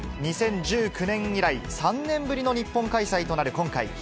２０１９年以来、３年ぶりの日本開催となる今回。